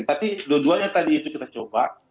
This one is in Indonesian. tapi dua duanya tadi itu kita coba